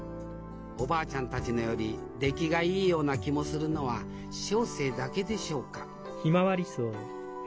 おばあちゃんたちのより出来がいいような気もするのは小生だけでしょうか？